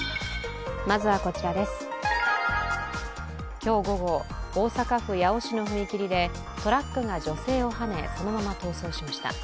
今日午後、大阪府八尾市の踏切でトラックが女性をはね、そのまま逃走しました。